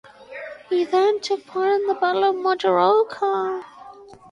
He then took part in the Battle of Majorca.